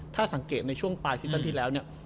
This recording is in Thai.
ถ้าสังเกตในช่วงปลายซีซั่นที่แล้วเนี่ย